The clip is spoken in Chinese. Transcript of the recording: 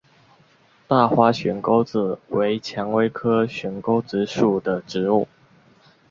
大花悬钩子为蔷薇科悬钩子属的植物。